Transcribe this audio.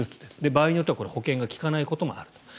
場合によっては保険が利かないこともあると。